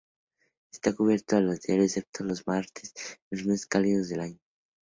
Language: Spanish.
Está abierto a diario excepto los martes en los meses cálidos del año.